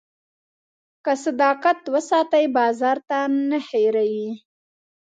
که صداقت وساتې، بازار تا نه هېروي.